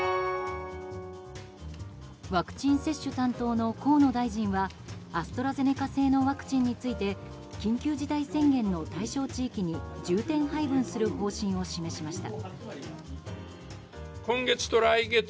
ワクチン接種担当の河野大臣がアストラゼネカ製のワクチンについて緊急事態宣言の対象地域に重点配分する方針を示しました。